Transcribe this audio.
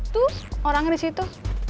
tuh orangnya di situ